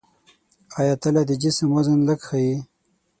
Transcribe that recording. آیا تله د جسم وزن لږ ښيي؟